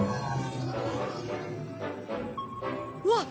うわっ！